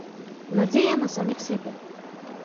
Надзея на саміх сябе.